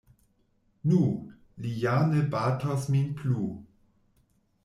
Nu, li ja ne batos min plu.